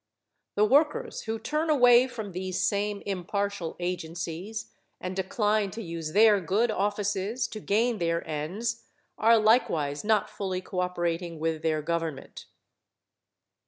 The workers who turn away from these same impartial agencies and decline to use their good offices to gain their ends are likewise not fully cooperating with their government.